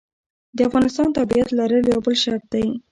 د افغانستان تابعیت لرل یو بل شرط دی.